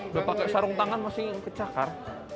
udah pakai sarung tangan masih kecakar